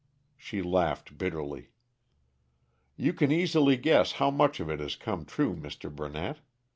She laughed bitterly. "You can easily guess how much of it has come true, Mr. Burnett.